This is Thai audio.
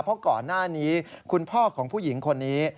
เพราะก่อนหน้านี้คุณพ่อของผู้หญิงคนนี้